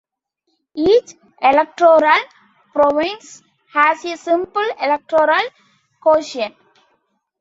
Each electoral province has a simple electoral quotient.